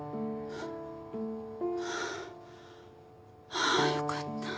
ああよかった。